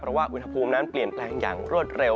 เพราะว่าอุณหภูมินั้นเปลี่ยนแปลงอย่างรวดเร็ว